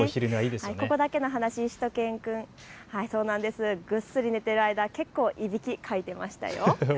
ここだけの話、しゅと犬くんぐっすり寝てる間、結構、いびきをかいてましたよ。